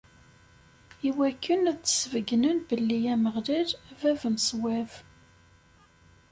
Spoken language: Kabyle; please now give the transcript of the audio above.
Iwakken ad d-sbeyynen belli Ameɣlal, a bab n ṣṣwab.